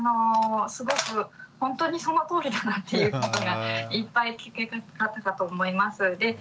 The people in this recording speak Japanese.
すごくほんとにそのとおりだなっていうことがいっぱい聞けたと思います。